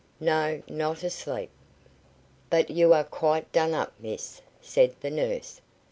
"No, not asleep." "But you are quite done up, miss," said the nurse.